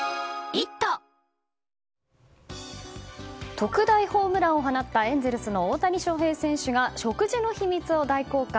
特大ホームランを放ったエンゼルスの大谷翔平選手が食事の秘密を大公開。